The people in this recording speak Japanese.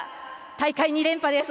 大会２連覇です。